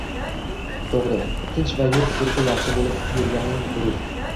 To‘g‘ri, tinch va yurish-turishi yaxshi bo‘lib yurgani durust.